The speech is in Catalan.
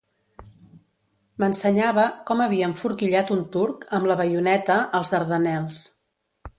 M'ensenyava, com havia enforquillat un turc, amb la baioneta, als Dardanels.